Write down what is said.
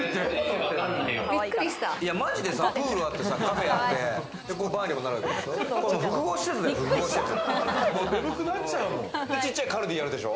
プールあってカフェあって、バーにもなるわけでしょ？